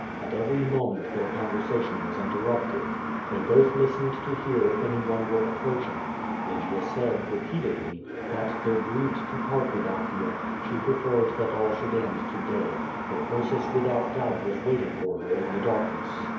At every moment their conversation was interrupted. They both listened to hear if any one were approaching. Lygia said, re peatedly, that, though grieved to part with Actea, she pre ferred that all should end to day, for Ursus without doubt was waiting for her in the darkness.